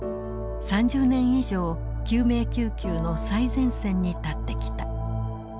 ３０年以上救命救急の最前線に立ってきた。